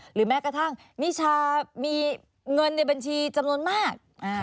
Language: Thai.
หรือแม้กระทั่งนิชามีเงินในบัญชีจำนวนมาก